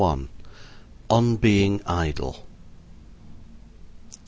ON BEING IDLE.